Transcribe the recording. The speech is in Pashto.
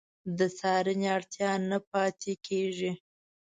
د څارنې اړتیا نه پاتې کېږي.